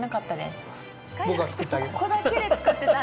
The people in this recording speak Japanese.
ここだけで作ってた。